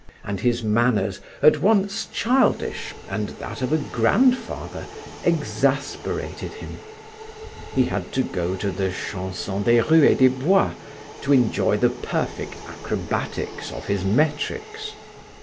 And his manners, at once childish and that of a grandfather, exasperated him. He had to go to the Chansons des rues et des bois to enjoy the perfect acrobatics of his metrics.